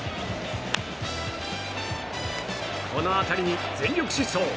この当たりに全力疾走！